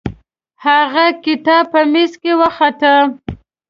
هغه کتاب په میز کې وخته.